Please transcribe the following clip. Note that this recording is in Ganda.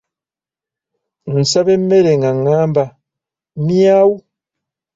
Nsaba emmere nga ngamba, myawu.